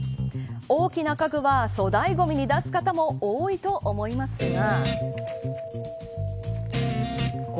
大きな家具は粗大ごみに出す方も多いと思いますが。